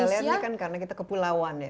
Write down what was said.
kalau kita lihat ini kan karena kita kepulauan ya